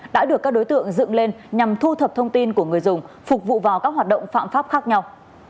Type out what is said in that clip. đã được các đối tượng dựng lên nhằm thu thập thông tin của người dùng phục vụ vào các hoạt động phạm pháp khác nhau